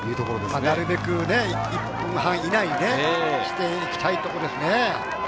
なるべく１分半以内にしていきたいところですね。